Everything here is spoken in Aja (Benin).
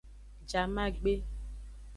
Jamagbe.